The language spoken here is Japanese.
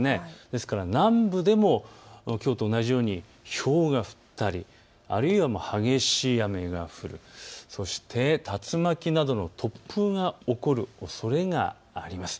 ですから南部でもきょうと同じようにひょうが降ったりあるいは激しい雨が降る、そして竜巻などの突風が起こるおそれがあります。